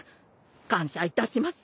感謝いたします。